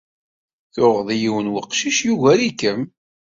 Tuɣeḍ yiwen n weqcic yugar-ikem.